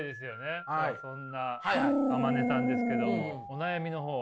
そんな天希さんですけどもお悩みの方は？